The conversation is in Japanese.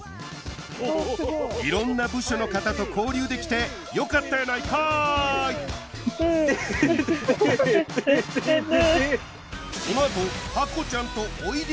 おお色んな部署の方と交流できてよかったやないかいＴＴＴＴＴＴＴ！